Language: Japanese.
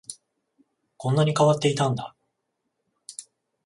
こんなに変わっていたんだ